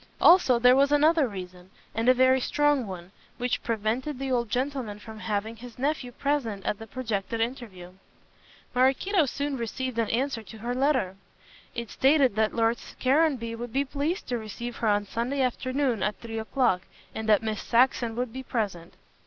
Also, there was another reason, and a very strong one, which prevented the old gentleman from having his nephew present at the projected interview. Maraquito soon received an answer to her letter. It stated that Lord Caranby would be pleased to receive her on Sunday afternoon at three o'clock, and that Miss Saxon would be present.